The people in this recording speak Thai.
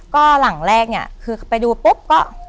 ก็หลังแรกนี้นียคือคุณไปดูปุ๊ปก็